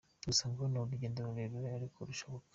Gusa ngo ni urugendo rurerure ariko rushoboka.